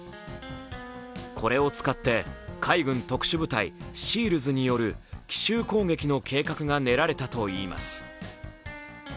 これを使って海軍特殊部隊、ＳＥＡＬｓによる奇襲攻撃の計画が練られたといいます。